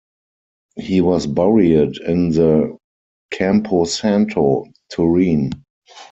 He was buried in the Camposanto, Turin.